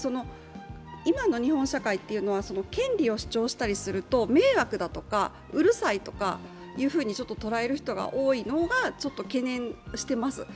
今の日本社会というのは権利を主張したりすると、迷惑だとかうるさいと捉える人が多いのが、ちょっと懸念してます。